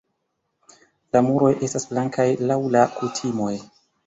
La muroj estas blankaj laŭ la kutimoj.